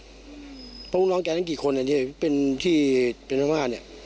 เพราะลุงน้องแกทั้งกี่คนเนี่ยที่เป็นที่เป็นธรรมนาเนี่ย